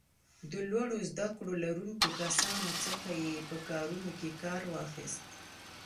د لوړو زده کړو لرونکو کسانو څخه یې په کارونو کې کار واخیست.